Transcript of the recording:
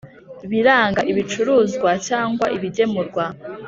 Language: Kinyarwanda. Biranga ibicuruzwa cyangwa ibigemurwa